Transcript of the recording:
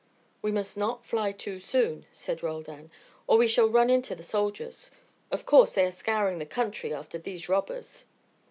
"We must not fly too soon," said Roldan, "or we shall run into the soldiers. Of course they are scouring the country after these robbers."